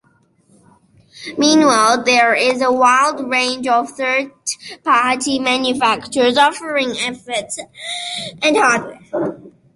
Meanwhile there is a wide range of third-party manufacturers offering effects and hardware.